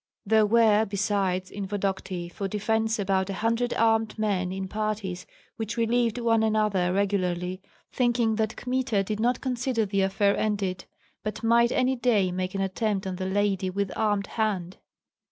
There were, besides, in Vodokty for defence about a hundred armed men in parties which relieved one another regularly, thinking that Kmita did not consider the affair ended, but might any day make an attempt on the lady with armed hand.